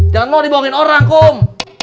jangan mau dibohongin orang kom